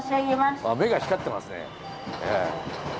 目が光ってますね。